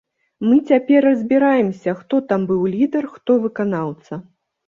Мы цяпер разбіраемся, хто там быў лідар, хто выканаўца.